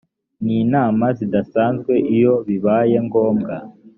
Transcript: n inama zidasanzwe iyo bibaye ngombwa